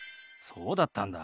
そうだったんだ。